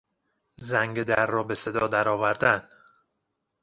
زنگ در را به صدا درآوردن